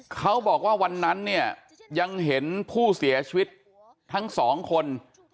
เขาบอกว่าวันนั้นเนี่ยยังเห็นผู้เสียชีวิตทั้งสองคน